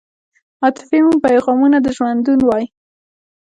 عاطفې مو پیغامونه د ژوندون وای